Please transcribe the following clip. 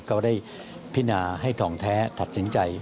ก็ได้พินาให้ทองแท้ตัดสินใจ